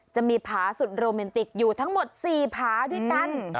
จะมีผาสุดโรแมนติกอยู่ทั้งหมด๔ผาด้วยกัน